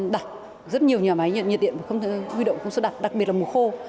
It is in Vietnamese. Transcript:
và rất nhiều nhà máy nhiệt điện không thể huy động công suất đặc đặc biệt là mùa khô